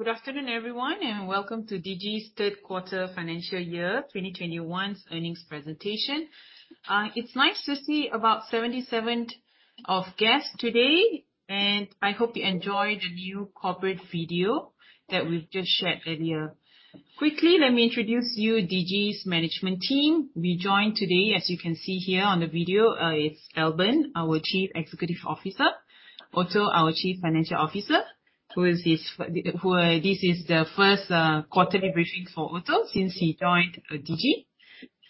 Good afternoon, everyone, welcome to Digi's Third Quarter Financial Year 2021 Earnings Presentation. It's nice to see about 77 guests today, and I hope you enjoyed the new corporate video that we've just shared earlier. Quickly, let me introduce you Digi's management team. We joined today, as you can see here on the video, is Albern, our Chief Executive Officer. Otto our Chief Financial Officer, this is the first quarterly briefing for Otto since he joined Digi.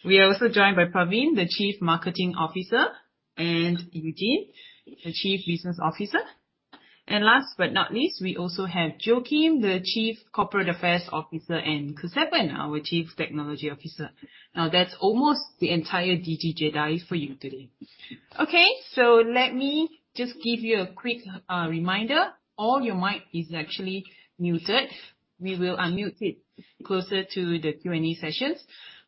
We are also joined by Praveen, the Chief Marketing Officer, and Eugene, the Chief Business Officer. Last but not least, we also have Joachim, the Chief Corporate Affairs Officer, and Kesavan, our Chief Technology Officer. That's almost the entire Digi Jedi for you today. Okay. Let me just give you a quick reminder. All your mic is actually muted. We will unmute it closer to the Q&A sessions.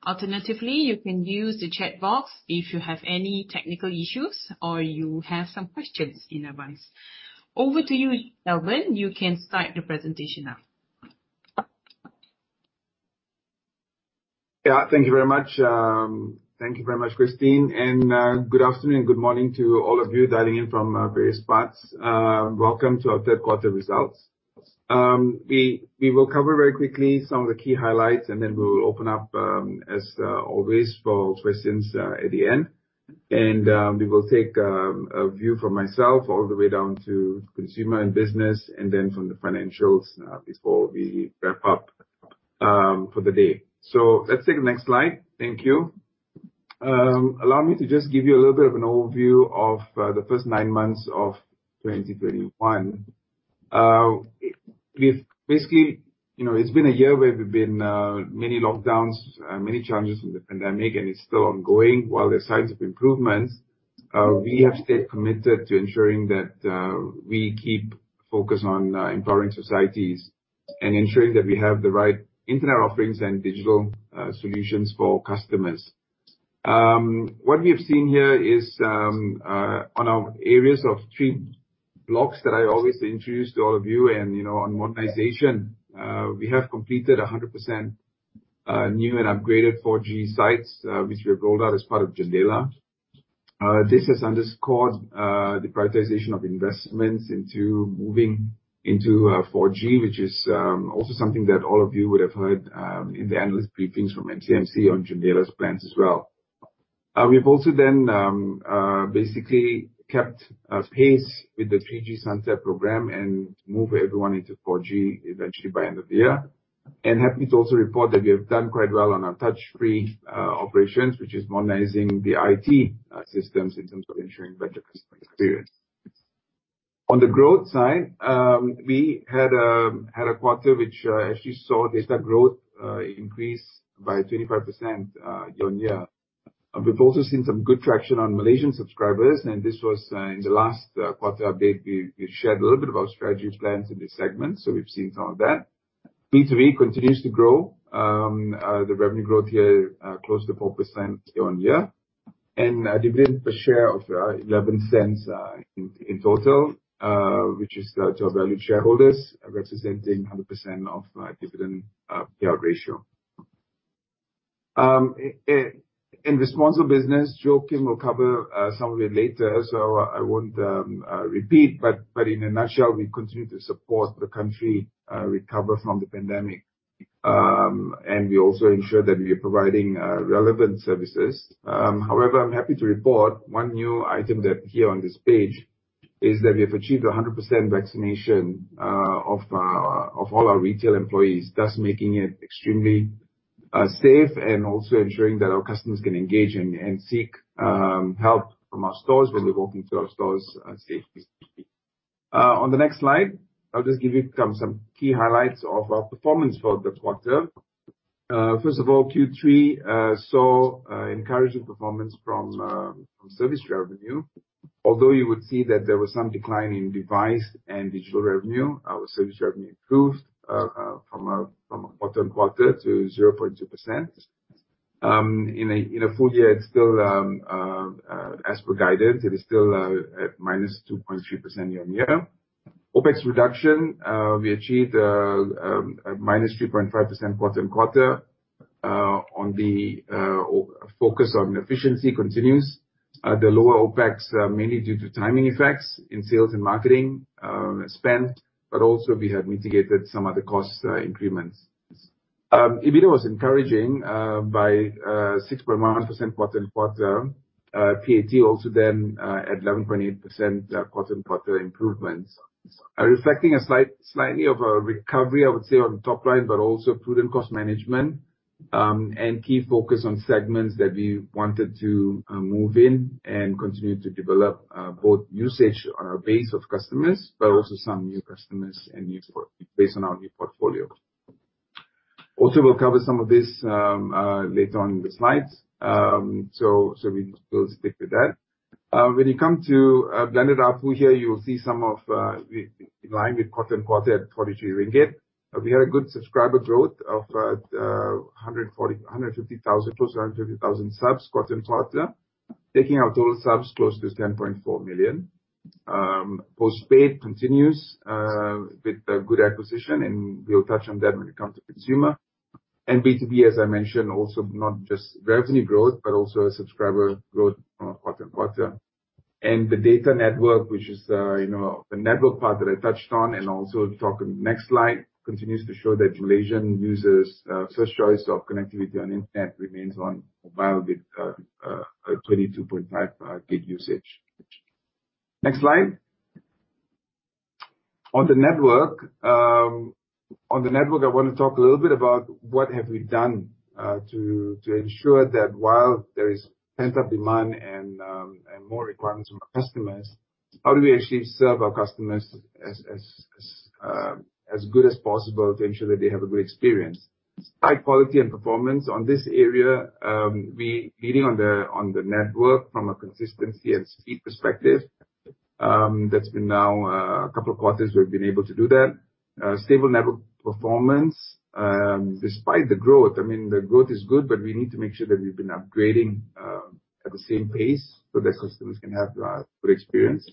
Alternatively, you can use the chat box if you have any technical issues or you have some questions in advance. Over to you, Albern. You can start the presentation now. Yeah, thank you very much. Thank you very much, Christine, and good afternoon, good morning to all of you dialing in from various parts. Welcome to our third quarter results. We will cover very quickly some of the key highlights, and then we will open up, as always, for questions at the end. We will take a view from myself all the way down to consumer and business and then from the financials before we wrap up for the day. Let's take the next slide. Thank you. Allow me to just give you a little bit of an overview of the first nine months of 2021. Basically, it's been a year where we've been many lockdowns, many challenges from the pandemic, and it's still ongoing. While there are signs of improvements, we have stayed committed to ensuring that we keep focused on empowering societies and ensuring that we have the right internet offerings and digital solutions for customers. What we have seen here is on our areas of three blocks that I always introduce to all of you and on modernization. We have completed 100% new and upgraded 4G sites, which we have rolled out as part of JENDELA. This has underscored the prioritization of investments into moving into 4G, which is also something that all of you would have heard in the analyst briefings from MCMC on JENDELA's plans as well. We've also basically kept pace with the 3G sunset program and move everyone into 4G eventually by end of the year. Happy to also report that we have done quite well on our touch-free operations, which is modernizing the IT systems in terms of ensuring better customer experience. On the growth side, we had a quarter which actually saw data growth increase by 25% year-on-year. We've also seen some good traction on Malaysian subscribers, and this was in the last quarter update. We shared a little bit of our strategy plans in this segment, so we've seen some of that. B2B continues to grow. The revenue growth here close to 4% year-on-year. A dividend per share of 0.11 in total, which is to our valued shareholders, representing 100% of our dividend payout ratio. In responsible business, Joachim will cover some of it later, so I won't repeat, but in a nutshell, we continue to support the country recover from the pandemic. We also ensure that we are providing relevant services. However, I'm happy to report one new item that here on this page is that we have achieved 100% vaccination of all our retail employees, thus making it extremely safe and also ensuring that our customers can engage and seek help from our stores when they walk into our stores safely. On the next slide, I'll just give you some key highlights of our performance for the quarter. First of all, Q3 saw encouraging performance from service revenue. Although you would see that there was some decline in device and digital revenue, our service revenue improved from a quarter-on-quarter to 0.2%. In a full year, as per guidance, it is still at -2.3% year-on-year. OpEx reduction, we achieved a -3.5% quarter-on-quarter on the focus on efficiency continues. The lower OpEx, mainly due to timing effects in sales and marketing spend, but also we have mitigated some of the cost increments. EBITDA was encouraging by 6.1% quarter-on-quarter. PAT also then at 11.8% quarter-on-quarter improvements. Reflecting a slightly of a recovery, I would say, on the top line, but also prudent cost management, and key focus on segments that we wanted to move in and continue to develop both usage on our base of customers but also some new customers and new based on our new portfolio. We'll cover some of this later on in the slides. We will stick with that. When you come to blended ARPU here, you will see some of in line with quarter-on-quarter at 23 ringgit. We had a good subscriber growth of close to 150,000 subs quarter-on-quarter. Taking our total subs close to 10.4 million. Postpaid continues with a good acquisition, and we'll touch on that when it comes to consumer. B2B, as I mentioned, also not just revenue growth, but also subscriber growth quarter on quarter. The data network, which is the network part that I touched on and also talk on the next slide, continues to show that Malaysian users' first choice of connectivity on internet remains on mobile with 22.5 GB usage. Next slide. On the network, I want to talk a little bit about what have we done to ensure that while there is pent-up demand and more requirements from our customers, how do we actually serve our customers as good as possible to ensure that they have a great experience. Site quality and performance. On this area, we're leading on the network from a consistency and speed perspective. That's been now a couple of quarters we've been able to do that. Stable network performance despite the growth. I mean, the growth is good, but we need to make sure that we've been upgrading at the same pace so that customers can have a good experience.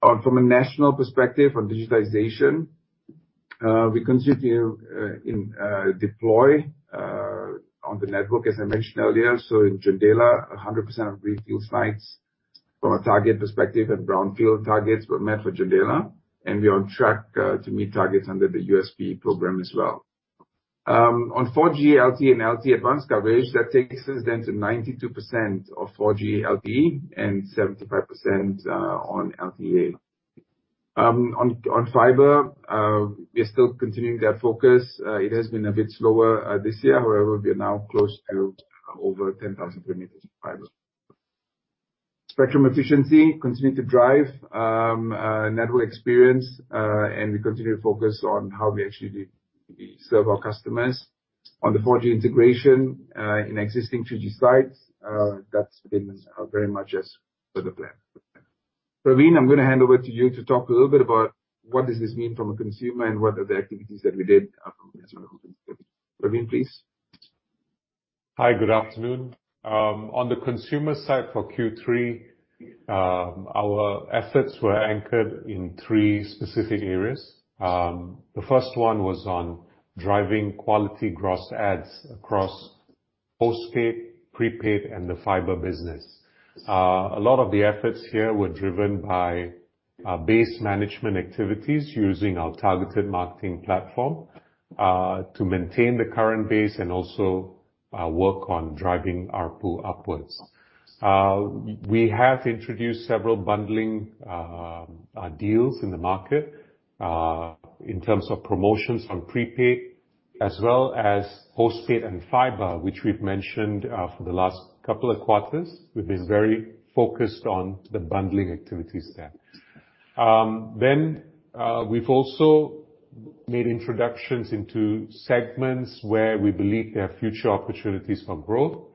From a national perspective on digitization, we continue to deploy on the network, as I mentioned earlier. In JENDELA, 100% of greenfield sites from a target perspective and brownfield targets were met for JENDELA, and we are on track to meet targets under the USP program as well. On 4G LTE and LTE-Advanced coverage, that takes us then to 92% of 4G LTE and 75% on LTE-A. On fiber, we are still continuing that focus. It has been a bit slower this year, however, we are now close to over 10,000 kilometers of fiber. Spectrum efficiency continuing to drive network experience. We continue to focus on how we actually serve our customers. On the 4G integration in existing 3G sites, that's been very much as per the plan. Praveen, I'm going to hand over to you to talk a little bit about what does this mean from a consumer and what are the activities that we did as well. Praveen, please. Hi, good afternoon. On the consumer side for Q3, our efforts were anchored in three specific areas. The first one was on driving quality gross adds across postpaid, prepaid, and the fiber business. A lot of the efforts here were driven by base management activities using our targeted marketing platform to maintain the current base and also work on driving ARPU upwards. We have introduced several bundling deals in the market in terms of promotions on prepaid as well as postpaid and fiber, which we've mentioned for the last couple of quarters. We've been very focused on the bundling activities there. We've also made introductions into segments where we believe there are future opportunities for growth.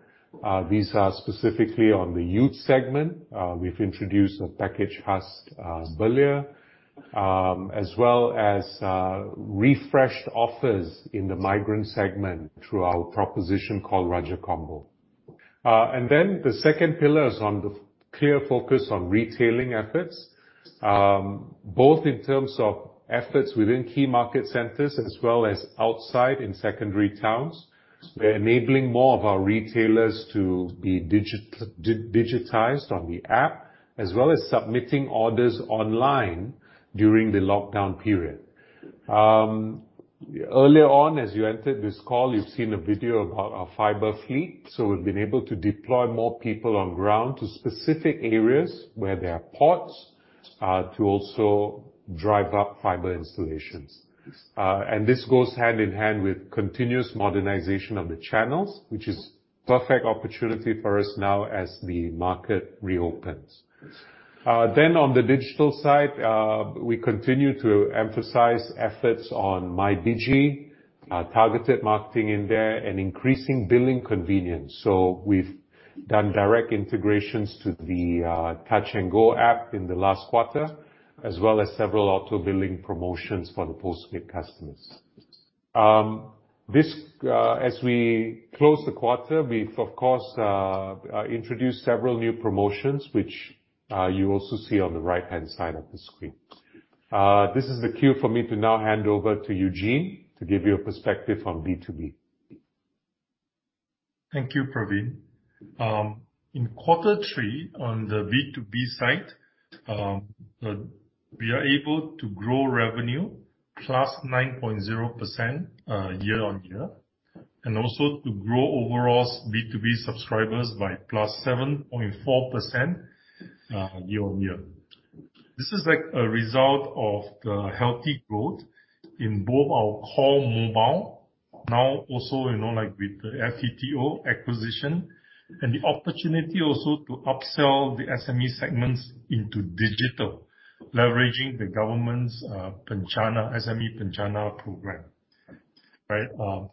These are specifically on the youth segment. We've introduced a package earlier as well as refreshed offers in the migrant segment through our proposition called Raja Kombo. The second pillar is on the clear focus on retailing efforts both in terms of efforts within key market centers as well as outside in secondary towns. We're enabling more of our retailers to be digitized on the app as well as submitting orders online during the lockdown period. Earlier on, as you entered this call, you've seen a video about our fiber fleet. We've been able to deploy more people on ground to specific areas where there are ports to also drive up fiber installations. This goes hand in hand with continuous modernization of the channels, which is perfect opportunity for us now as the market reopens. On the digital side, we continue to emphasize efforts on MyDigi, targeted marketing in there, and increasing billing convenience. We've done direct integrations to the Touch 'n Go app in the last quarter as well as several auto-billing promotions for the postpaid customers. As we close the quarter, we've, of course, introduced several new promotions which you also see on the right-hand side of the screen. This is the cue for me to now hand over to Eugene to give you a perspective on B2B. Thank you, Praveen. In quarter three on the B2B side, we are able to grow revenue +9.0% year-on-year and also to grow overall B2B subscribers by +7.4% year-on-year. This is a result of the healthy growth in both our core mobile now also with the FTTO acquisition and the opportunity also to upsell the SME segments into digital, leveraging the government's SME PENJANA program. Right.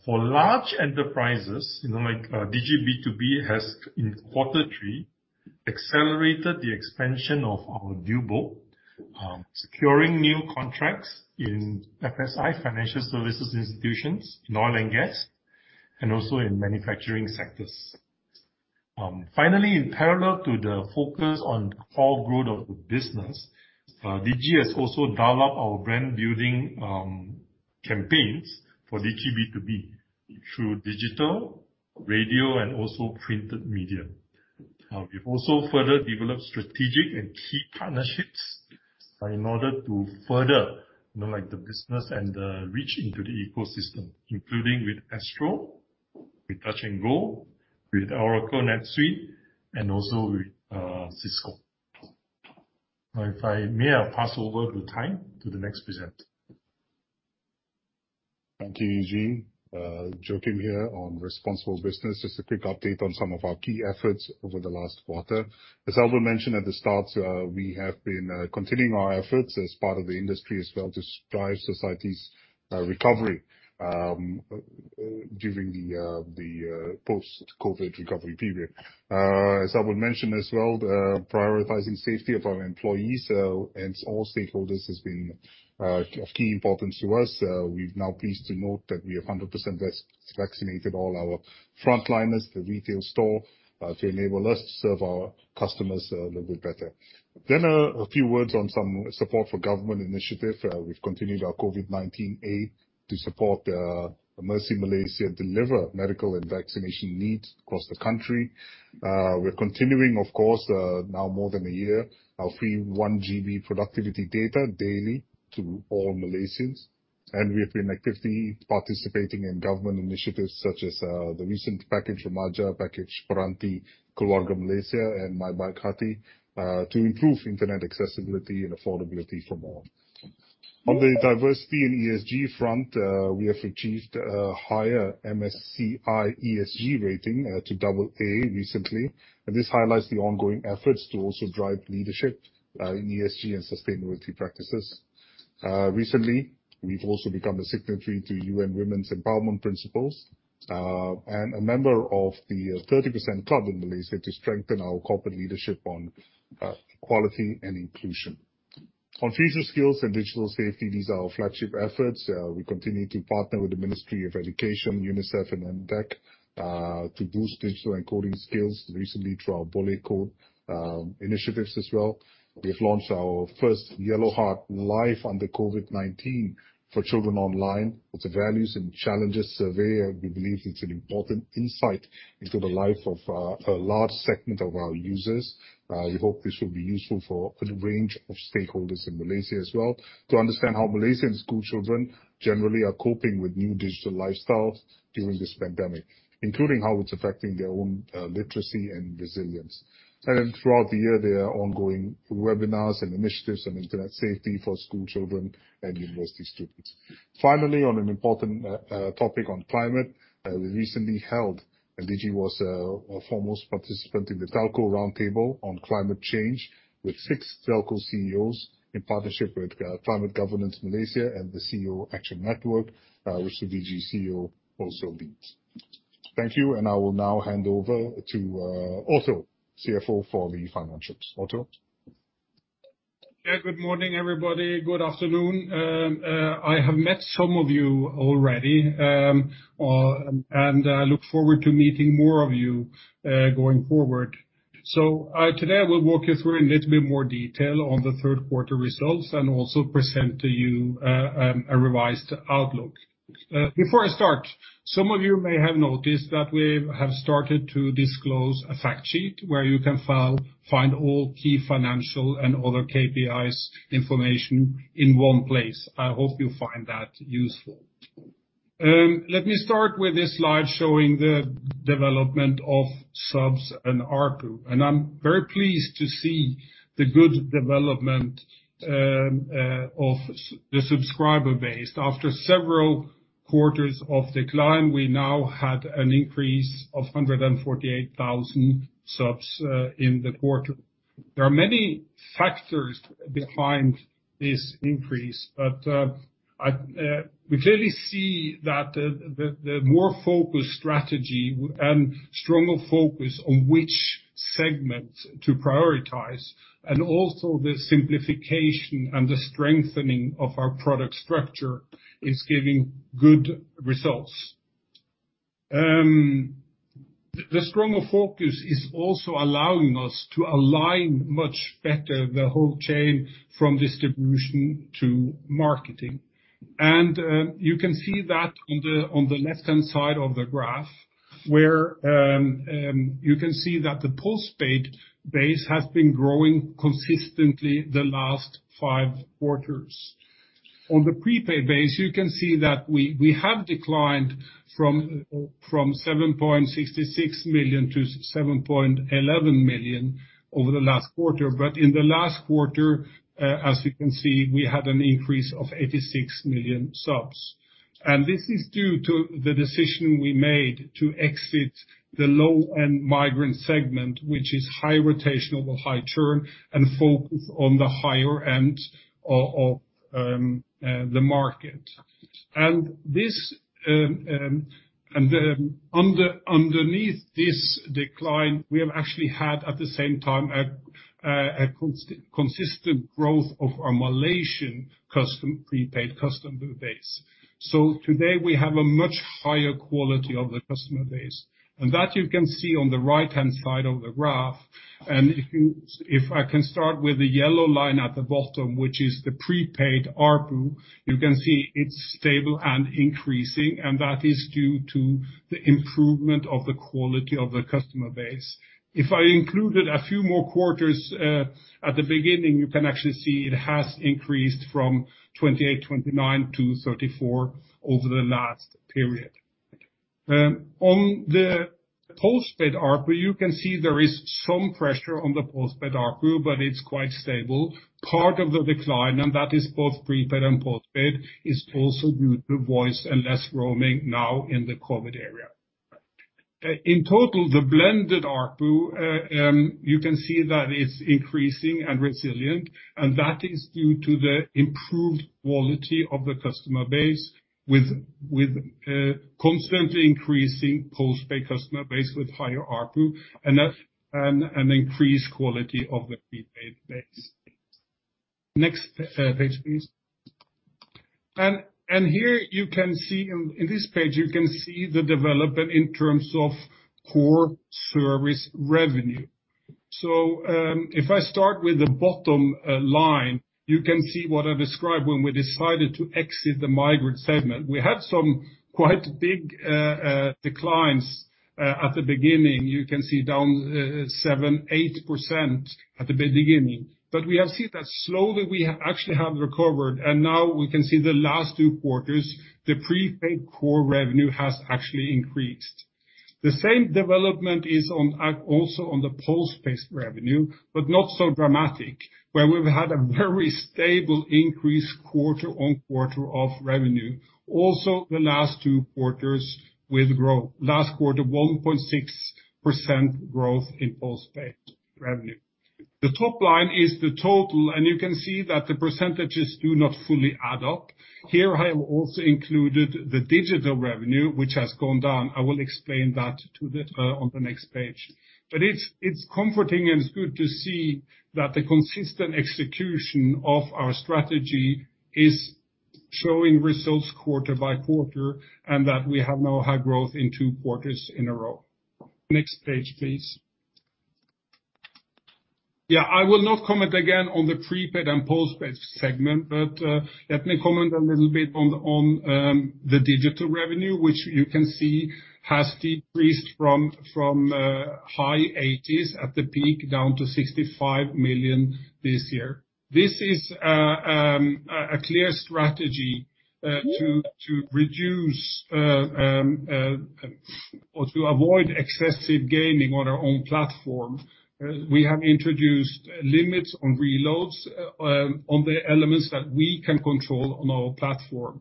For large enterprises, Digi B2B has in quarter three accelerated the expansion of our deal book, securing new contracts in FSI, financial services institutions, in oil and gas, and also in manufacturing sectors. Finally, in parallel to the focus on core growth of the business, Digi has also developed our brand-building campaigns for Digi B2B through digital radio and also printed media. We've also further developed strategic and key partnerships in order to further the business and the reach into the ecosystem, including with Astro, with Touch 'n Go, with Oracle NetSuite, and also with Cisco. Now, if I may, I'll pass over to the next presenter. Thank you, Eugene. Joachim here on responsible business. Just a quick update on some of our key efforts over the last quarter. As Albern mentioned at the start, we have been continuing our efforts as part of the industry as well to drive society's recovery during the post-COVID recovery period. As Albern mentioned as well, prioritizing safety of our employees and all stakeholders has been of key importance to us. We're now pleased to note that we have 100% vaccinated all our frontliners at the retail store to enable us to serve our customers a little bit better. A few words on some support for government initiative. We've continued our COVID-19 aid to support the Mercy Malaysia deliver medical and vaccination needs across the country. We're continuing, of course, now more than a year, our free 1 GB productivity data daily to all Malaysians. We have been actively participating in government initiatives such as, the recent Pakej Remaja, Pakej Peranti, Keluarga Malaysia, and MYBaikHati, to improve internet accessibility and affordability for more. On the diversity and ESG front, we have achieved a higher MSCI ESG rating to AA recently, and this highlights the ongoing efforts to also drive leadership, ESG, and sustainability practices. Recently, we've also become a signatory to UN Women's Empowerment Principles, and a member of the 30% Club in Malaysia to strengthen our corporate leadership on equality and inclusion. On future skills and digital safety, these are our flagship efforts. We continue to partner with the Ministry of Education, UNICEF, and MDEC, to boost digital and coding skills recently through our BolehCode initiatives as well. We have launched our first Yellow Heart Life under COVID-19 for Children Online with the Values and Challenges survey, and we believe it's an important insight into the life of a large segment of our users. We hope this will be useful for a good range of stakeholders in Malaysia as well to understand how Malaysian school children generally are coping with new digital lifestyles during this pandemic. Including how it's affecting their own literacy and resilience. Throughout the year, there are ongoing webinars and initiatives on internet safety for school children and university students. Finally, on an important topic on climate, we recently held, and Digi was a foremost participant in the telco roundtable on climate change with six telco CEOs in partnership with Climate Governance Malaysia and the CEO Action Network, which the Digi CEO also leads. Thank you. I will now hand over to Otto, CFO for the financials. Otto? Good morning, everybody. Good afternoon. I have met some of you already, and I look forward to meeting more of you going forward. Today, I will walk you through in little bit more detail on the third quarter results and also present to you a revised outlook. Before I start, some of you may have noticed that we have started to disclose a fact sheet where you can find all key financial and other KPIs information in one place. I hope you find that useful. Let me start with this slide showing the development of subs and ARPU. I'm very pleased to see the good development of the subscriber base. After several quarters of decline, we now had an increase of 148,000 subs in the quarter. There are many factors behind this increase, but we clearly see that the more focused strategy and stronger focus on which segment to prioritize and also the simplification and the strengthening of our product structure is giving good results. The stronger focus is also allowing us to align much better the whole chain from distribution to marketing. You can see that on the left-hand side of the graph where, you can see that the postpaid base has been growing consistently the last five quarters. On the prepaid base, you can see that we have declined from 7.66 million to 7.11 million over the last quarter. In the last quarter, as you can see, we had an increase of 86 million subs. This is due to the decision we made to exit the low-end migrant segment, which is high rotational, high churn, and focus on the higher end of the market. Underneath this decline, we have actually had, at the same time, a consistent growth of our Malaysian prepaid customer base. Today we have a much higher quality of the customer base. That you can see on the right-hand side of the graph. If I can start with the yellow line at the bottom, which is the prepaid ARPU, you can see it is stable and increasing, and that is due to the improvement of the quality of the customer base. If I included a few more quarters at the beginning, you can actually see it has increased from 28, 29 to 34 over the last period. On the postpaid ARPU, you can see there is some pressure on the postpaid ARPU, but it's quite stable. Part of the decline, and that is both prepaid and postpaid, is also due to voice and less roaming now in the COVID era. In total, the blended ARPU, you can see that it's increasing and resilient, and that is due to the improved quality of the customer base, with constantly increasing postpaid customer base with higher ARPU, and an increased quality of the prepaid base. Next page, please. In this page, you can see the development in terms of core service revenue. If I start with the bottom line, you can see what I described when we decided to exit the migrant segment. We had some quite big declines at the beginning. You can see down 7%-8% at the beginning. We have seen that slowly we have actually recovered. Now we can see the last two quarters, the prepaid core revenue has actually increased. The same development is also on the postpaid revenue, but not so dramatic, where we've had a very stable increase quarter-on-quarter of revenue. Also the last two quarters with growth. Last quarter, 1.6% growth in postpaid revenue. The top line is the total. You can see that the percentages do not fully add up. Here I have also included the digital revenue, which has gone down. I will explain that on the next page. It's comforting and it's good to see that the consistent execution of our strategy is showing results quarter by quarter, and that we have now high growth in two quarters in a row. Next page, please. Yeah, I will not comment again on the prepaid and postpaid segment. Let me comment a little bit on the digital revenue, which you can see has decreased from high 80s at the peak down to 65 million this year. This is a clear strategy to reduce or to avoid excessive gaming on our own platform. We have introduced limits on reloads on the elements that we can control on our platform.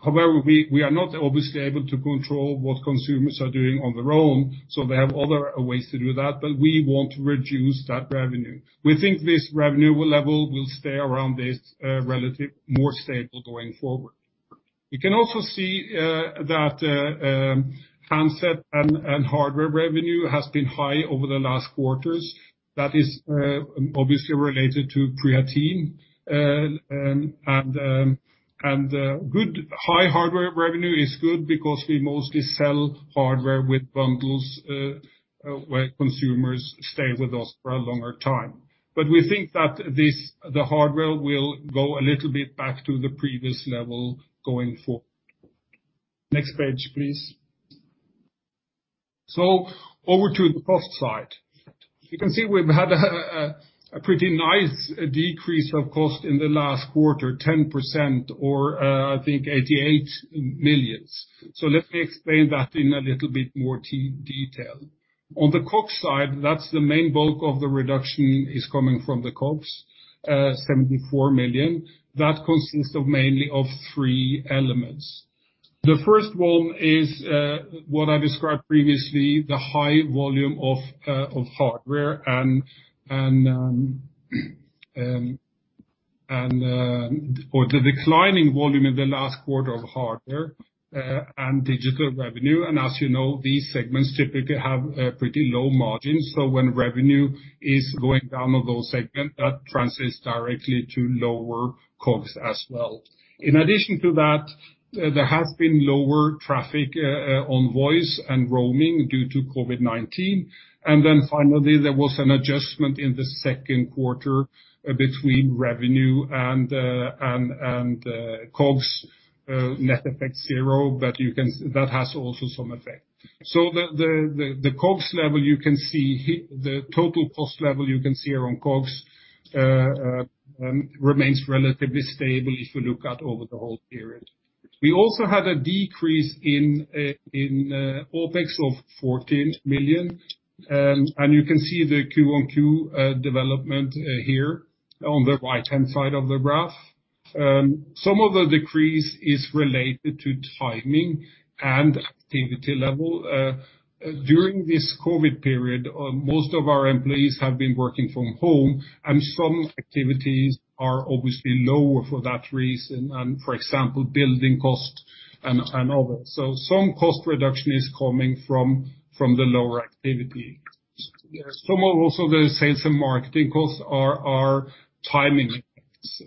However, we are not obviously able to control what consumers are doing on their own. They have other ways to do that. We want to reduce that revenue. We think this revenue level will stay around this relative, more stable going forward. You can also see that handset and hardware revenue has been high over the last quarters. That is obviously related to Peranti. Good high hardware revenue is good because we mostly sell hardware with bundles, where consumers stay with us for a longer time. We think that the hardware will go a little bit back to the previous level going forward. Next page, please. Over to the cost side. You can see we've had a pretty nice decrease of cost in the last quarter, 10% or I think 88 million. Let me explain that in a little bit more detail. On the COGS side, that's the main bulk of the reduction is coming from the COGS, 74 million. That consists of mainly of three elements. The first one is what I described previously, the high volume of hardware or the declining volume in the last quarter of hardware and digital revenue. As you know, these segments typically have pretty low margins. When revenue is going down on those segment, that translates directly to lower COGS as well. In addition to that, there has been lower traffic on voice and roaming due to COVID-19. Finally, there was an adjustment in the second quarter between revenue and COGS. Net effect zero, but that has also some effect. The COGS level you can see here, the total cost level you can see here on COGS, remains relatively stable if you look at over the whole period. We also had a decrease in OpEx of 14 million, and you can see the QoQ development here on the right-hand side of the graph. Some of the decrease is related to timing and activity level. During this COVID period, most of our employees have been working from home, and some activities are obviously lower for that reason. For example, building cost and others. Some cost reduction is coming from the lower activity. Some of also the sales and marketing costs are timing effects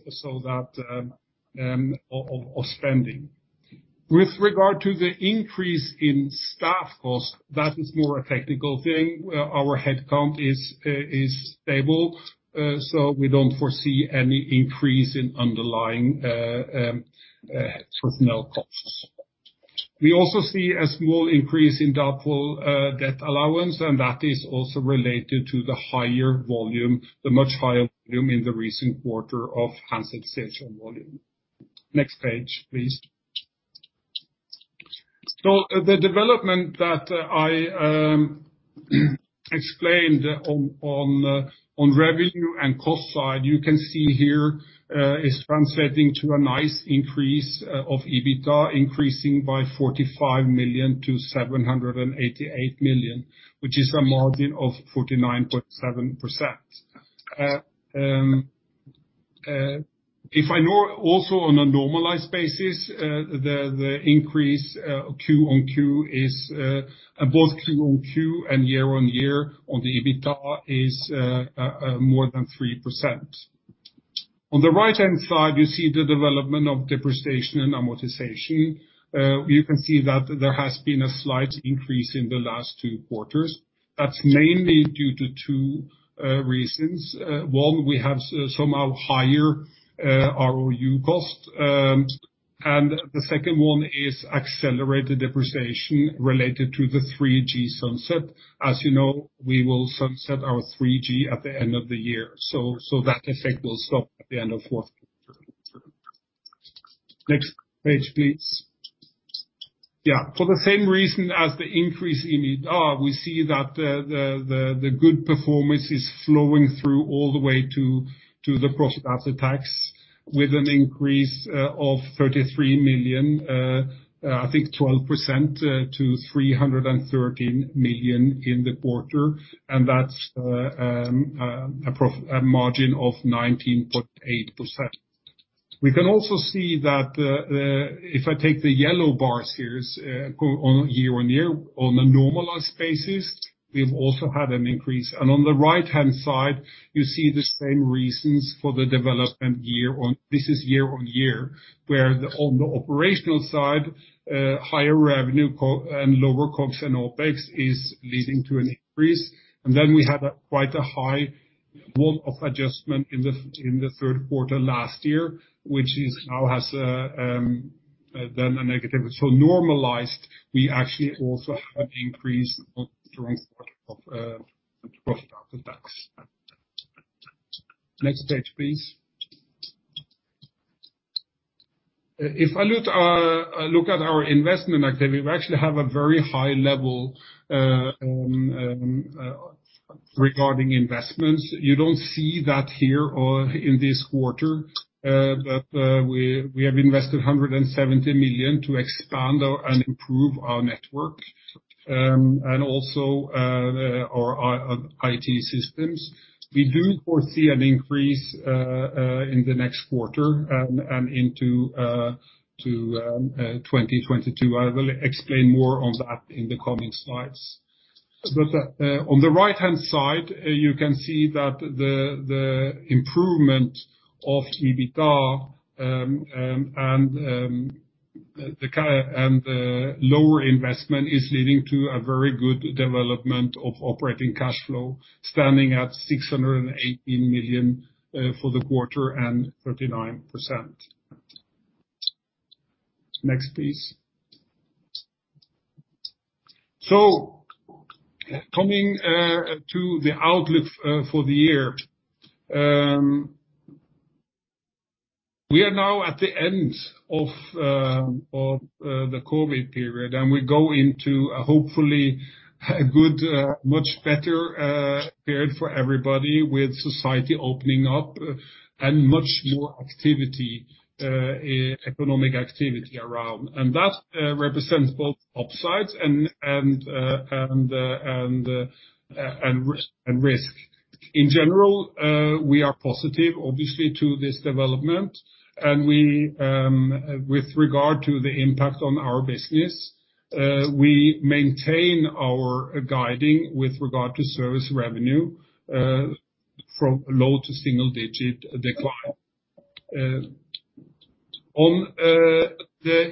of spending. With regard to the increase in staff cost, that is more a technical thing. Our headcount is stable, we don't foresee any increase in underlying personnel costs. We also see a small increase in doubtful debt allowance, that is also related to the much higher volume in the recent quarter of handset sales volume. Next page, please. The development that I explained on revenue and cost side, you can see here is translating to a nice increase of EBITDA increasing by 45 million to 788 million, which is a margin of 49.7%. Also on a normalized basis, both QoQ and year on year on the EBITDA is more than 3%. On the right-hand side, you see the development of depreciation and amortization. You can see that there has been a slight increase in the last two quarters. That's mainly due to two reasons. One, we have somehow higher ROU cost. The second one is accelerated depreciation related to the 3G sunset. As you know, we will sunset our 3G at the end of the year. That effect will stop at the end of fourth quarter. Next page, please. For the same reason as the increase in EBITDA, we see that the good performance is flowing through all the way to the profit after tax with an increase of 33 million, I think 12% to 313 million in the quarter. That's a margin of 19.8%. We can also see that if I take the yellow bars here on a year-over-year on a normalized basis, we've also had an increase. On the right-hand side, you see the same reasons for the development. This is year-on-year where on the operational side, higher revenue and lower costs and OpEx is leading to an increase. Then we had quite a high one-off adjustment in the third quarter last year which now has done a negative. Normalized, we actually also had increase of profit after tax. Next page, please. If I look at our investment activity, we actually have a very high level regarding investments. You don't see that here or in this quarter. We have invested 170 million to expand and improve our network, and also our IT systems. We do foresee an increase in the next quarter and into 2022. I will explain more on that in the coming slides. On the right-hand side, you can see that the improvement of EBITDA and the lower investment is leading to a very good development of operating cash flow, standing at 618 million for the quarter and 39%. Next, please. Coming to the outlook for the year. We are now at the end of the COVID period, and we go into hopefully a good, much better period for everybody with society opening up and much more economic activity around. That represents both upsides and risk. In general, we are positive obviously to this development. With regard to the impact on our business, we maintain our guiding with regard to service revenue from low to single-digit decline. On the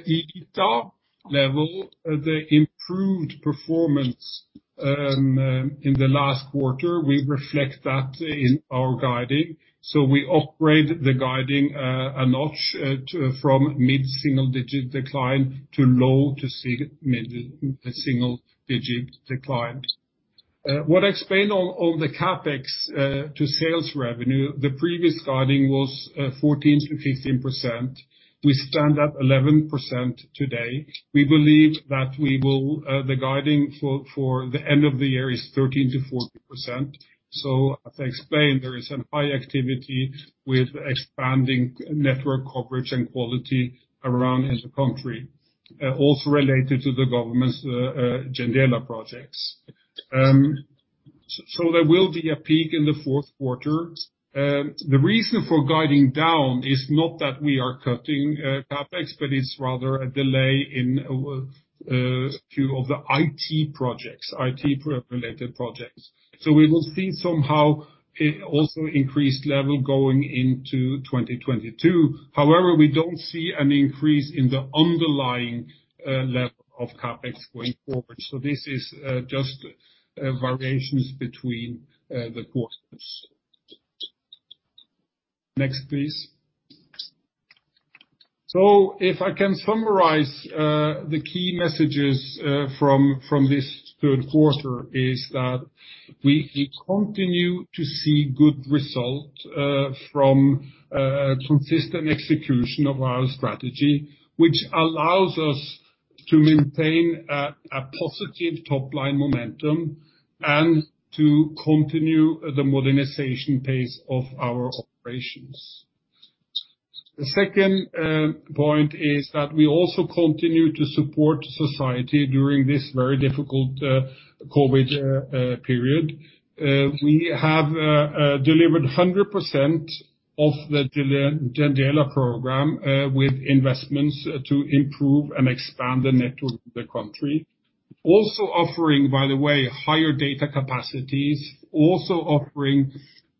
EBITDA level, the improved performance in the last quarter, we reflect that in our guiding. We upgrade the guiding a notch from mid-single-digit decline to low-to-single-digit decline. What I explained on the CapEx to sales revenue, the previous guiding was 14%-15%. We stand at 11% today. We believe that the guiding for the end of the year is 13%-14%. As I explained, there is a high activity with expanding network coverage and quality around in the country. Also related to the government's JENDELA projects. There will be a peak in the fourth quarter. The reason for guiding down is not that we are cutting CapEx, but it's rather a delay in a few of the IT projects, IT-related projects. We will see somehow also increased level going into 2022. However, we don't see an increase in the underlying level of CapEx going forward. This is just variations between the quarters. Next, please. If I can summarize the key messages from this third quarter is that we continue to see good result from consistent execution of our strategy, which allows us to maintain a positive top-line momentum and to continue the modernization pace of our operations. The second point is that we also continue to support society during this very difficult COVID period. We have delivered 100% of the JENDELA program with investments to improve and expand the network in the country. Also offering, by the way, higher data capacities, also offering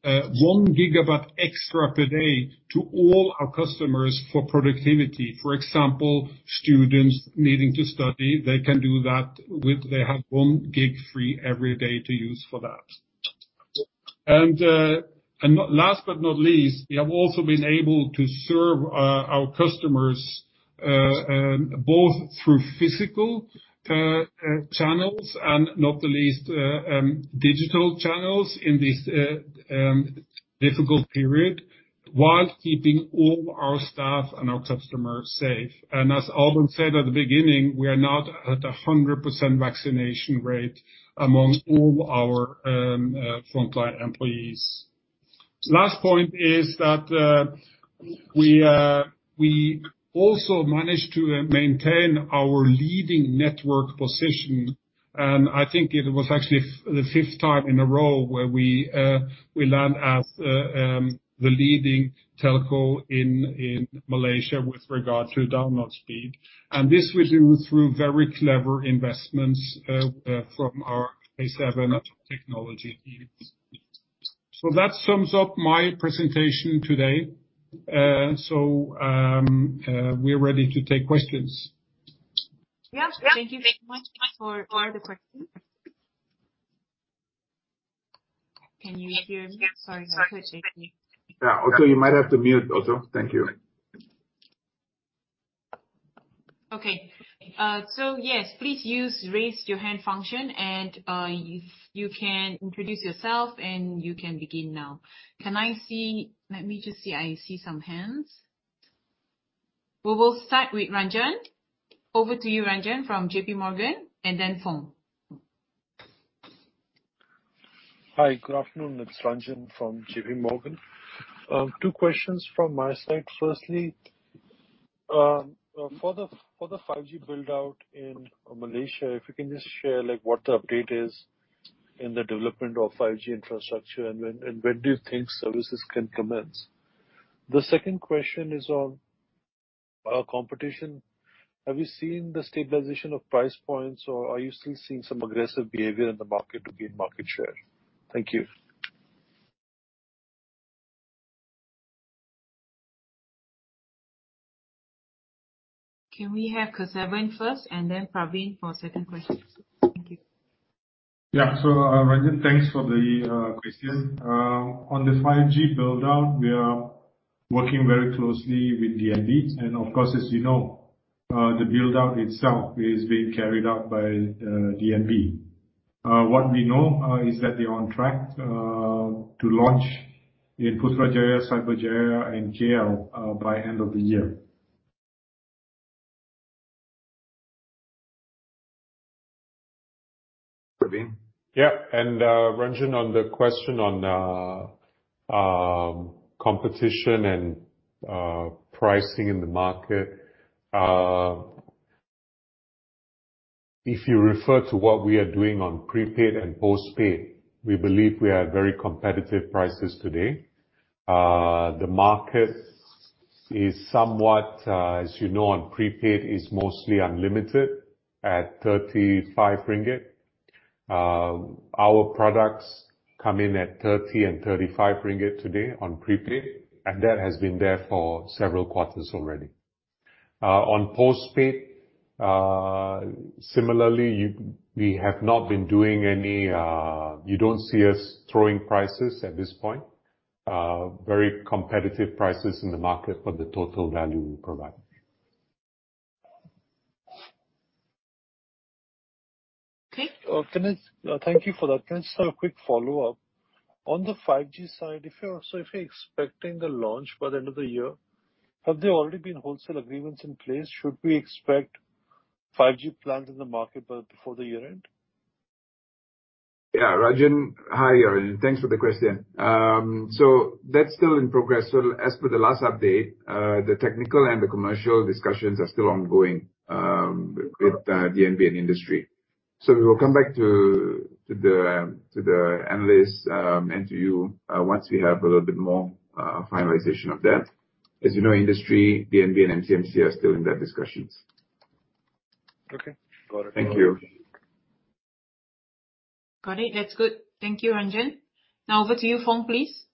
1 GB extra per day to all our customers for productivity. For example, students needing to study, they can do that. They have 1 GB free every day to use for that. Last but not least, we have also been able to serve our customers both through physical channels and not the least digital channels in this difficult period while keeping all our staff and our customers safe. As Albern said at the beginning, we are now at 100% vaccination rate among all our frontline employees. Last point is that we also managed to maintain our leading network position. I think it was actually the fifth time in a row where we land as the leading telco in Malaysia with regard to download speed. This we do through very clever investments from our CTO technology team. That sums up my presentation today. We are ready to take questions. Yeah. Thank you very much for the questions. Can you hear me? Sorry about the echo. Yeah. Okay, you might have to mute also. Thank you. Okay. Yes, please use raise your hand function and you can introduce yourself, and you can begin now. Let me just see. I see some hands. We will start with Ranjan. Over to you, Ranjan from JPMorgan and then Foong. Hi. Good afternoon. It's Ranjan from JPMorgan. Two questions from my side. Firstly, for the 5G build-out in Malaysia, if you can just share what the update is in the development of 5G infrastructure. When do you think services can commence? The second question is on competition. Have you seen the stabilization of price points or are you still seeing some aggressive behavior in the market to gain market share? Thank you. Can we have Kesavan first and then Praveen for second question. Thank you. Yeah. Ranjan, thanks for the question. On the 5G build-out, we are working very closely with DNB and of course as you know the build-out itself is being carried out by DNB. What we know is that they are on track to launch in Putrajaya, Cyberjaya and KL by end of the year. Praveen. Yeah. Ranjan, on the question on competition and pricing in the market. If you refer to what we are doing on prepaid and postpaid, we believe we are at very competitive prices today. The market is somewhat, as you know on prepaid is mostly unlimited at 35 ringgit. Our products come in at 30 and 35 ringgit today on prepaid and that has been there for several quarters already. On postpaid, similarly, you don't see us throwing prices at this point. Very competitive prices in the market for the total value we provide. Okay. Thank you for that. Can I just have a quick follow-up? On the 5G side, if you're expecting the launch by the end of the year, have there already been wholesale agreements in place? Should we expect 5G plans in the market before the year-end? Hi, Ranjan. Thanks for the question. That's still in progress. As per the last update, the technical and the commercial discussions are still ongoing with the DNB industry. We will come back to the analysts, and to you, once we have a little bit more finalization of that. As you know, industry, the DNB, and MCMC are still in their discussions. Okay. Got it. Thank you. Got it. That is good. Thank you, Ranjan. Now over to you, Foong, please.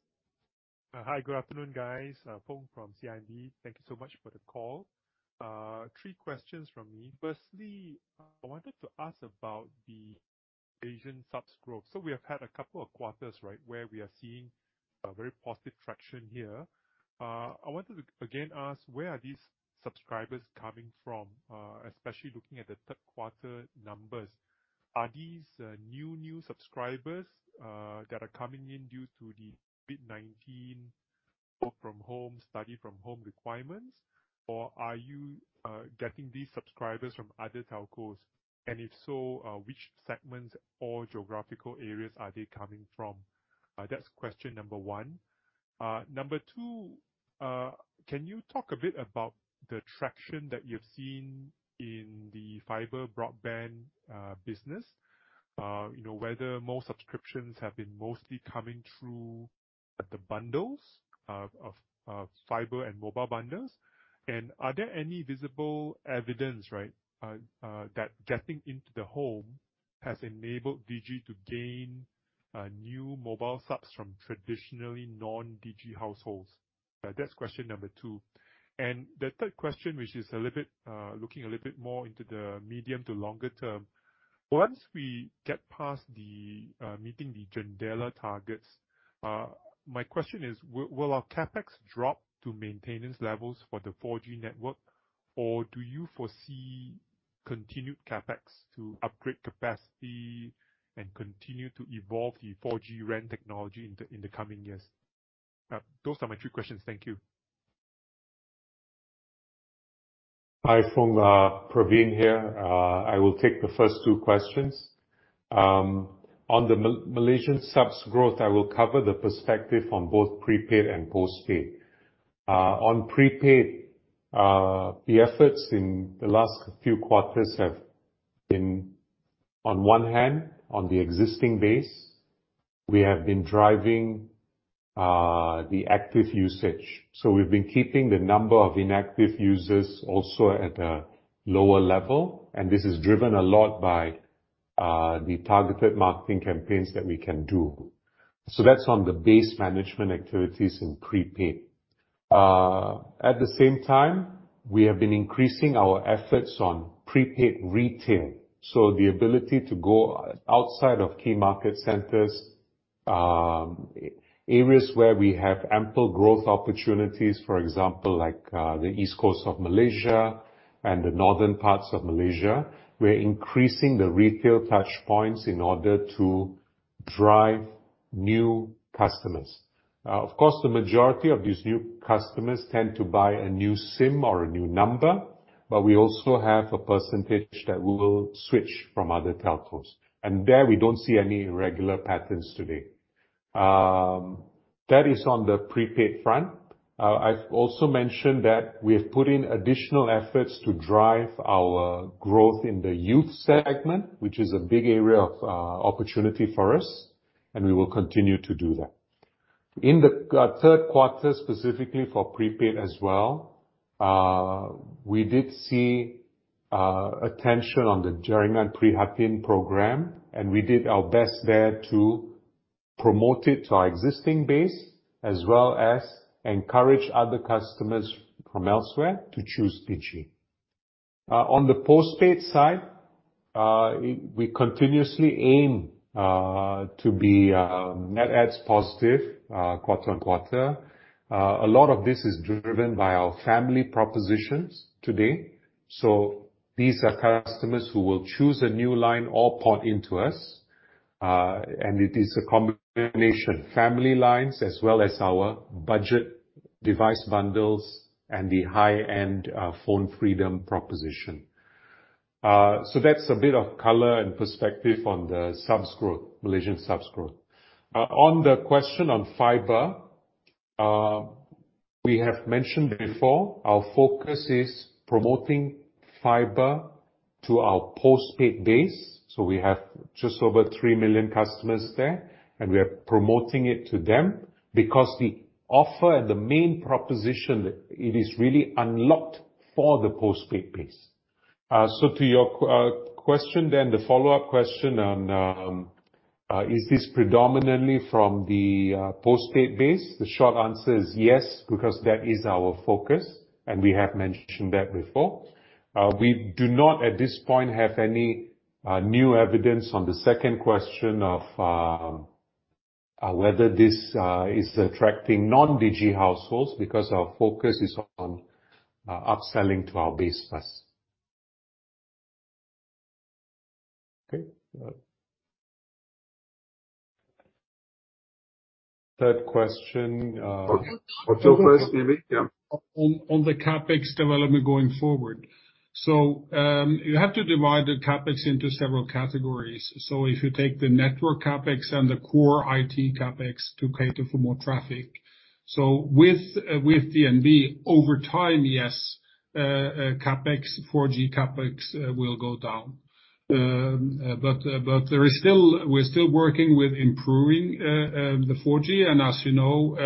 Hi. Good afternoon, guys. Foong from CIMB. Thank you so much for the call. Three questions from me. Firstly, I wanted to ask about the Asian subs growth. We have had a couple of quarters, right, where we are seeing very positive traction here. I wanted to, again, ask, where are these subscribers coming from, especially looking at the third quarter numbers. Are these new subscribers that are coming in due to the COVID-19 work-from-home, study-from-home requirements? Or are you getting these subscribers from other telcos? If so, which segments or geographical areas are they coming from? That's question number one. Number two, can you talk a bit about the traction that you've seen in the fiber broadband business? Whether more subscriptions have been mostly coming through the bundles of fiber and mobile bundles? Are there any visible evidence that getting into the home has enabled Digi to gain new mobile subs from traditionally non-Digi households? That's question number two. The third question, which is looking a little bit more into the medium to longer term. Once we get past meeting the JENDELA targets, my question is, will our CapEx drop to maintenance levels for the 4G network? Or do you foresee continued CapEx to upgrade capacity and continue to evolve the 4G RAN technology in the coming years? Those are my three questions. Thank you. Hi, Foong. Praveen here. I will take the first two questions. On the Malaysian subs growth, I will cover the perspective on both prepaid and postpaid. On prepaid, the efforts in the last few quarters have been, on one hand, on the existing base. We have been driving the active usage. We've been keeping the number of inactive users also at a lower level, and this is driven a lot by the targeted marketing campaigns that we can do. That's on the base management activities in prepaid. At the same time, we have been increasing our efforts on prepaid retail. The ability to go outside of key market centers, areas where we have ample growth opportunities. For example, like the East Coast of Malaysia and the northern parts of Malaysia. We're increasing the retail touchpoints in order to drive new customers. Of course, the majority of these new customers tend to buy a new SIM or a new number, but we also have a percentage that will switch from other telcos. There, we don't see any regular patterns today. That is on the prepaid front. I've also mentioned that we have put in additional efforts to drive our growth in the youth segment, which is a big area of opportunity for us, and we will continue to do that. In the third quarter, specifically for prepaid as well, we did see attention on the Jaringan Prihatin program, and we did our best there to promote it to our existing base, as well as encourage other customers from elsewhere to choose Digi. On the postpaid side, we continuously aim to be net adds positive quarter-on-quarter. A lot of this is driven by our family propositions today. These are customers who will choose a new line or port into us. It is a combination of family lines as well as our budget device bundles and the high-end PhoneFreedom proposition. That's a bit of color and perspective on the Malaysian subs growth. On the question on fiber. We have mentioned before, our focus is promoting fiber to our postpaid base. We have just over 3 million customers there, and we are promoting it to them because the offer and the main proposition, it is really unlocked for the postpaid base. To your question then, the follow-up question on, is this predominantly from the postpaid base? The short answer is yes, because that is our focus, and we have mentioned that before. We do not, at this point, have any new evidence on the second question of whether this is attracting non-Digi households because our focus is on upselling to our base first. Okay. Third question. Otto first maybe. Yeah. On the CapEx development going forward. You have to divide the CapEx into several categories. If you take the network CapEx and the core IT CapEx to cater for more traffic. With DNB, over time, yes, 4G CapEx will go down. We're still working with improving the 4G and as you know,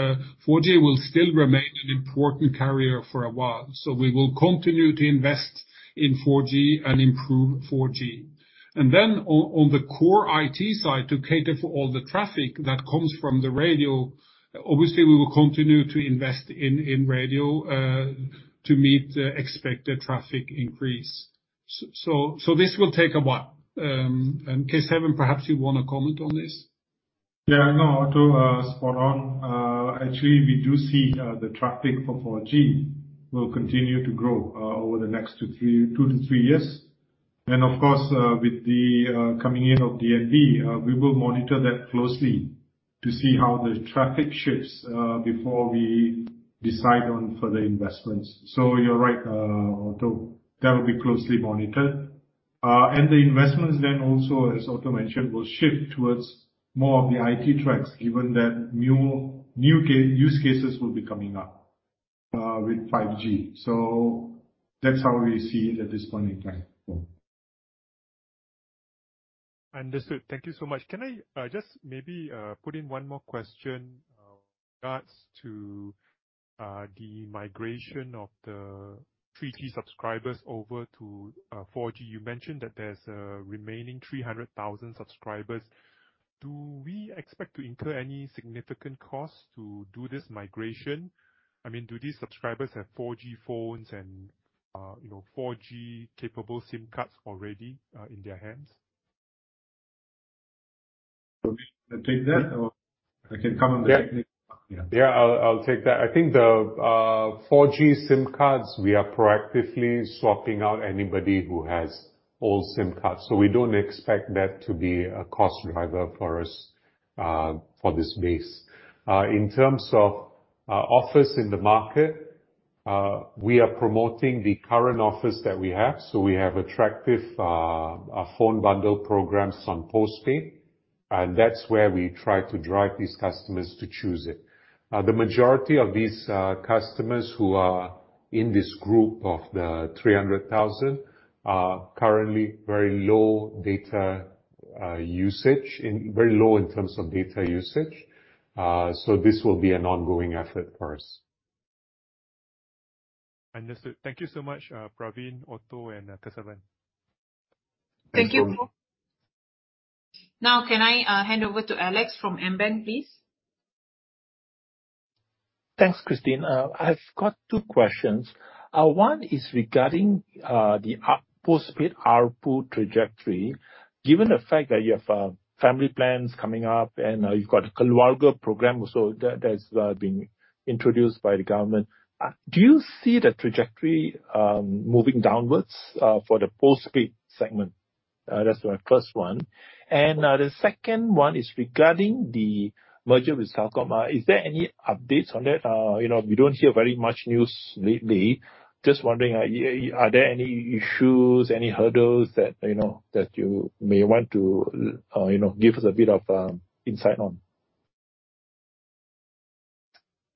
4G will still remain an important carrier for a while. We will continue to invest in 4G and improve 4G. Then on the core IT side, to cater for all the traffic that comes from the radio, obviously, we will continue to invest in radio, to meet the expected traffic increase. This will take a while. Kesavan, perhaps you want to comment on this? Yeah, no, Otto, spot on. Actually we do see the traffic for 4G will continue to grow over the next two to three years. Of course, with the coming in of DNB, we will monitor that closely to see how the traffic shifts, before we decide on further investments. You're right, Otto. That will be closely monitored. The investments then also, as Otto mentioned, will shift towards more of the IT tracks, given that new use cases will be coming up with 5G. That's how we see it at this point in time. Understood. Thank you so much. Can I just maybe put in one more question, regards to the migration of the 3G subscribers over to 4G? You mentioned that there's a remaining 300,000 subscribers. Do we expect to incur any significant costs to do this migration? I mean, do these subscribers have 4G phones and 4G capable SIM cards already in their hands? Praveen, you want to take that or I can comment on the technique. Yeah. I'll take that. I think the 4G SIM cards, we are proactively swapping out anybody who has old SIM cards. We don't expect that to be a cost driver for us for this base. In terms of offers in the market, we are promoting the current offers that we have. We have attractive phone bundle programs on postpaid, and that's where we try to drive these customers to choose it. The majority of these customers who are in this group of the 300,000 are currently very low in terms of data usage. This will be an ongoing effort for us. Understood. Thank you so much, Praveen, Otto and Kesavan. Thanks. Thank you. Now, can I hand over to Alex from AmBank, please? Thanks, Christine. I've got two questions. One is regarding the postpaid ARPU trajectory. Given the fact that you have family plans coming up and you've got the Keluarga Malaysia program also that has been introduced by the government. Do you see the trajectory moving downwards for the postpaid segment? That's my first one. The second one is regarding the merger with Celcom. Is there any updates on that? We don't hear very much news lately. Just wondering, are there any issues, any hurdles that you may want to give us a bit of insight on?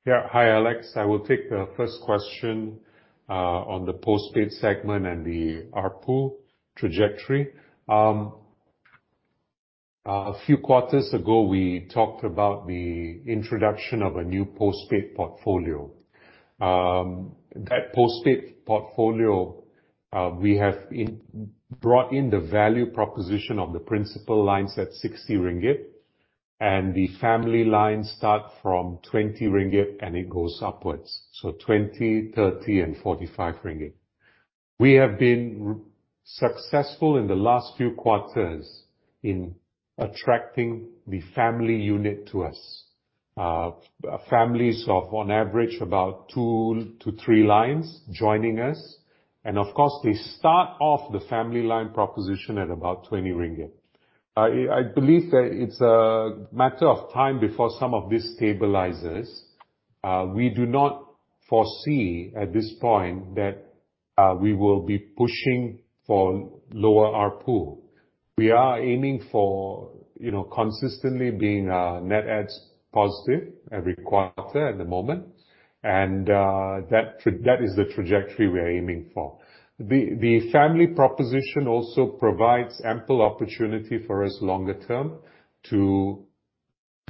Hi, Alex. I will take the first question on the postpaid segment and the ARPU trajectory. A few quarters ago, we talked about the introduction of a new postpaid portfolio. That postpaid portfolio, we have brought in the value proposition of the principal lines at 60 ringgit and the family lines start from 20 ringgit and it goes upwards. 20, 30 and 45 ringgit. We have been successful in the last few quarters in attracting the family unit to us. Families of on average about two to three lines joining us. Of course, they start off the family line proposition at about 20 ringgit. I believe that it's a matter of time before some of this stabilizes. We do not foresee at this point that we will be pushing for lower ARPU. We are aiming for consistently being net adds positive every quarter at the moment. That is the trajectory we are aiming for. The family proposition also provides ample opportunity for us longer term to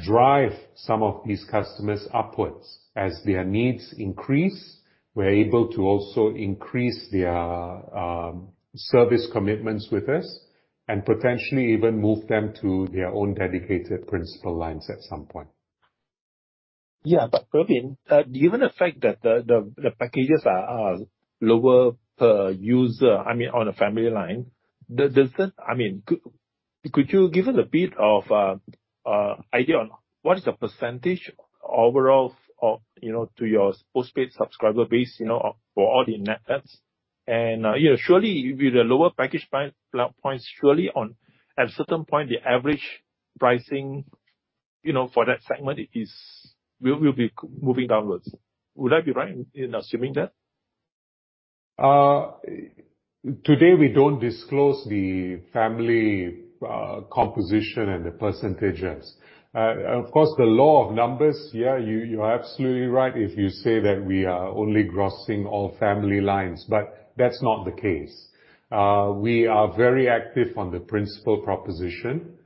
drive some of these customers upwards. As their needs increase, we're able to also increase their service commitments with us and potentially even move them to their own dedicated principal lines at some point. Yeah. Praveen, given the fact that the packages are lower per user on a family line, could you give us a bit of idea on what is the percentage overall to your postpaid subscriber base for all the net adds? Surely with the lower package price points, surely at a certain point, the average pricing for that segment will be moving downwards. Would I be right in assuming that? Today, we don't disclose the family composition and the percentages. Of course, the law of numbers, yeah, you are absolutely right if you say that we are only crossing all family lines. That's not the case. We are very active on the principal proposition.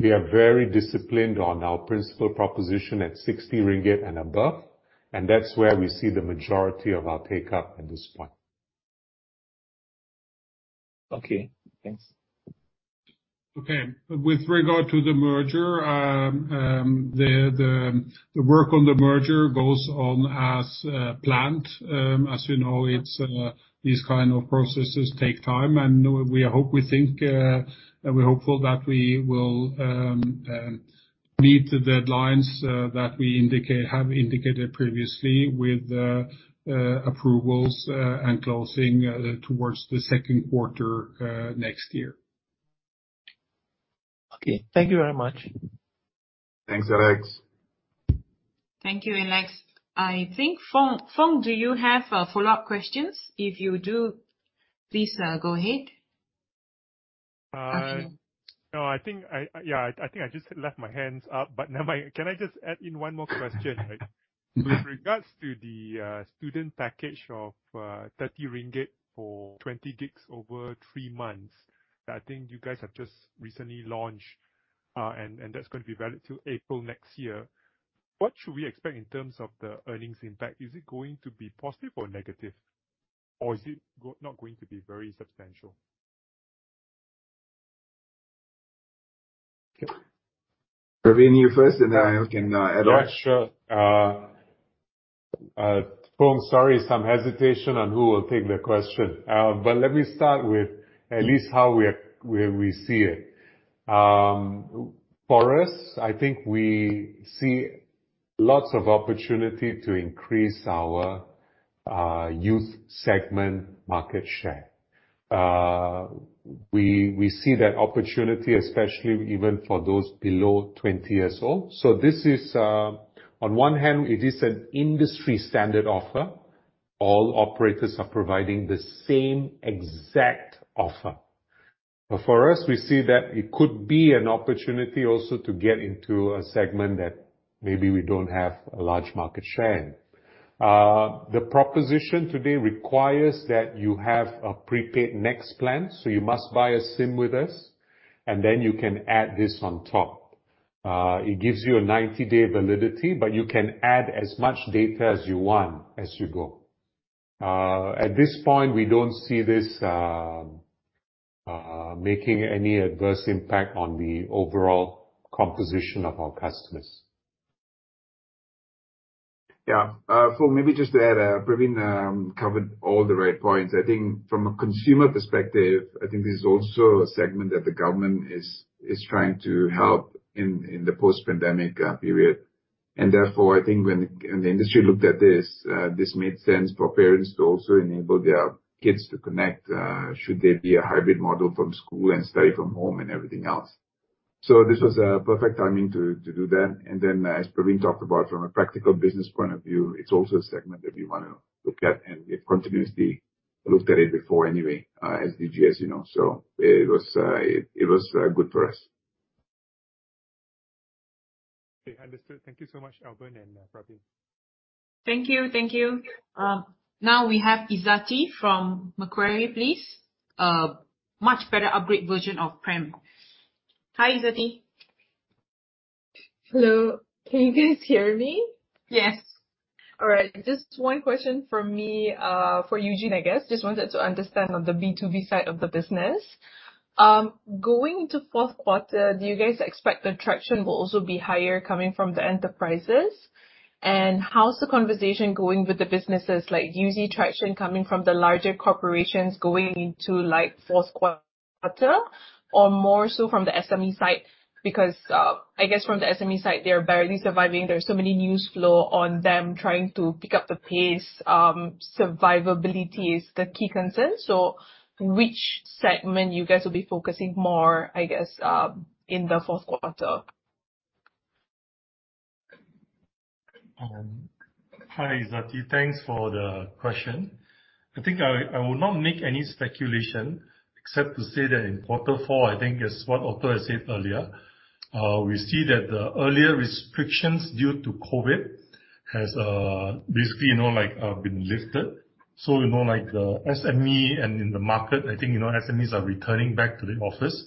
We are very disciplined on our principal proposition at 60 ringgit and above, and that's where we see the majority of our take-up at this point. Okay, thanks. Okay. With regard to the merger, the work on the merger goes on as planned. As you know, these kind of processes take time, and we're hopeful that we will meet the deadlines that we have indicated previously with approvals and closing towards the second quarter next year. Okay. Thank you very much. Thanks, Alex. Thank you, Alex. I think, Foong, do you have follow-up questions? If you do, please go ahead. I think I just left my hands up, but never mind. Can I just add in one more question? With regards to the student package of 30 ringgit for 20 GB over three months, I think you guys have just recently launched, and that's going to be valid till April next year. What should we expect in terms of the earnings impact? Is it going to be positive or negative? Is it not going to be very substantial? Praveen, you first, I can add on. Yeah, sure. Foong, sorry, some hesitation on who will take the question. Let me start with at least how we see it. For us, I think we see lots of opportunity to increase our youth segment market share. We see that opportunity, especially even for those below 20 years old. This is, on one hand, it is an industry-standard offer. All operators are providing the same exact offer. For us, we see that it could be an opportunity also to get into a segment that maybe we don't have a large market share in. The proposition today requires that you have a Prepaid NEXT plan. You must buy a SIM with us, and then you can add this on top. It gives you a 90-day validity. You can add as much data as you want as you go. At this point, we don't see this making any adverse impact on the overall composition of our customers. Yeah. Foong, maybe just to add, Praveen covered all the right points. I think from a consumer perspective, I think this is also a segment that the government is trying to help in the post-pandemic period. Therefore, I think when the industry looked at this made sense for parents to also enable their kids to connect, should there be a hybrid model from school and study from home and everything else. This was a perfect timing to do that. As Praveen talked about from a practical business point of view, it's also a segment that we want to look at, and we have continuously looked at it before anyway, as Digis. It was good for us. Okay, understood. Thank you so much, Albern and Praveen. Thank you. Now we have Izzati from Macquarie, please. A much better upgrade version of Prem. Hi, Izzati. Hello. Can you guys hear me? Yes. All right. Just one question from me for Eugene, I guess. Just wanted to understand on the B2B side of the business. Going to fourth quarter, do you guys expect the traction will also be higher coming from the enterprises? How's the conversation going with the businesses? Do you see traction coming from the larger corporations going into fourth quarter? More so from the SME side? I guess from the SME side, they're barely surviving. There's so many news flow on them trying to pick up the pace. Survivability is the key concern. Which segment you guys will be focusing more, I guess, in the fourth quarter? Hi, Izzati. Thanks for the question. I think I will not make any speculation except to say that in quarter four, I think as what Otto has said earlier, we see that the earlier restrictions due to COVID has basically been lifted. The SME and in the market, I think SMEs are returning back to the office.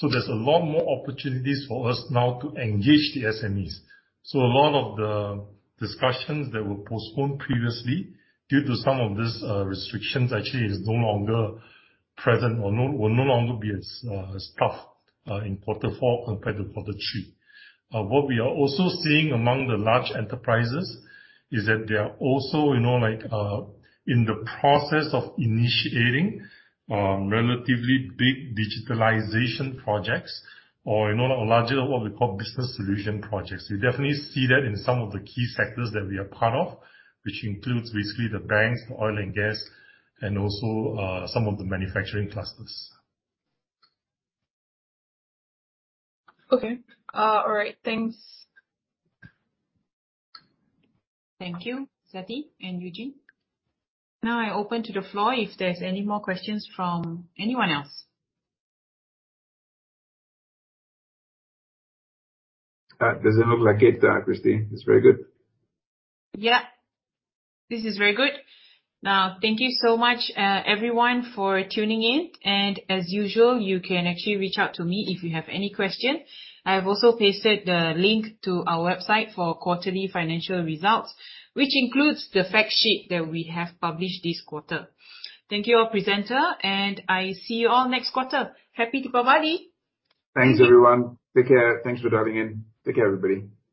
There's a lot more opportunities for us now to engage the SMEs. A lot of the discussions that were postponed previously due to some of these restrictions actually is no longer present or will no longer be as tough in quarter four compared to quarter three. What we are also seeing among the large enterprises is that they are also in the process of initiating relatively big digitalization projects or larger, what we call, business solution projects. We definitely see that in some of the key sectors that we are part of, which includes basically the banks, oil and gas, and also some of the manufacturing clusters. Okay. All right. Thanks. Thank you, Izzati and Eugene. Now I open to the floor if there is any more questions from anyone else. It doesn't look like it, Christine. It's very good. Yeah. This is very good. Thank you so much, everyone, for tuning in. As usual, you can actually reach out to me if you have any questions. I have also pasted the link to our website for quarterly financial results, which includes the fact sheet that we have published this quarter. Thank you all, presenters, and I see you all next quarter. Happy Deepavali. Thanks, everyone. Take care. Thanks for dialing in. Take care, everybody.